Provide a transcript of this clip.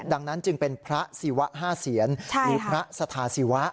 ดังนั้นจึงเป็นพระศิวะ๕เสียนหรือพระสถาศิวะ